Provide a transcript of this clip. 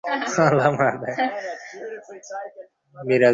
না, আপনাকে সেবা করতেও হবে না।